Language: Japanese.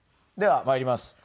ではまいります。